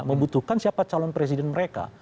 membutuhkan siapa calon presiden mereka